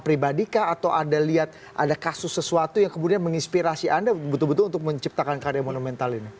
pengalaman pribadi atau ada kasus sesuatu yang kemudian menginspirasi anda betul betul untuk menciptakan karya monumental ini